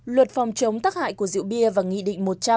luật phòng chống tắc hại của rượu bia và nghị định một trăm linh